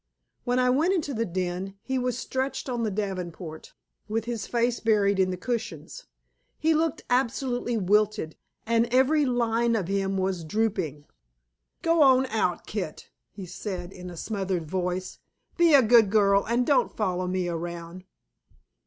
When I went into the den he was stretched on the davenport with his face buried in the cushions. He looked absolutely wilted, and every line of him was drooping. "Go on out, Kit," he said, in a smothered voice. "Be a good girl and don't follow me around."